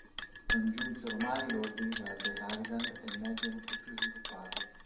Non giunsero mai ordini alla de Havilland e il mezzo non fu più sviluppato.